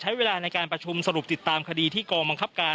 ใช้เวลาในการประชุมสรุปติดตามคดีที่กองบังคับการ